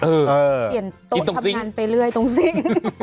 ไปเปลี่ยนต้นทำงานไปเรื่อยผมตังสิ้ง